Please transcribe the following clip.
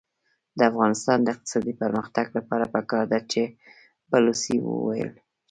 د افغانستان د اقتصادي پرمختګ لپاره پکار ده چې بلوڅي وویل شي.